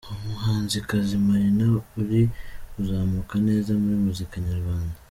Umuhanzikazi Marina uri kuzamuka neza muri muzika nyarwanda.